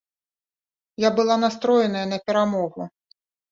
Я была настроеная на перамогу.